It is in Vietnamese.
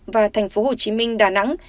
và tp hcm đà nẵng